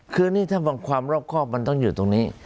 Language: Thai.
คือนี่ถ้าบางความรอบครอบมันต้องอยู่ตรงนี้